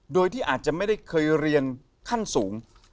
โดยที่อาจจะไม่ได้เคยเรียนขั้นสูง